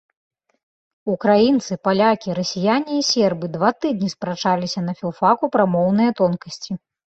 Украінцы, палякі, расіяне і сербы два тыдні спрачаліся на філфаку пра моўныя тонкасці.